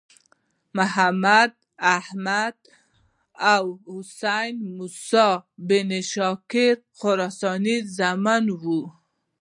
محمد، احمد او حسن د موسی بن شاګر خراساني زامن وو.